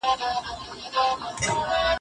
که ننداره وي نو ښکلا نه پټیږي.